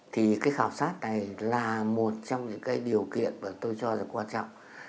thì cái khảo sát này là một trong những cái điều kiện mà tôi cho là quan trọng